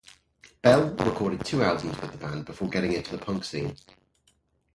Bell recorded two albums with the band, before getting into the punk scene.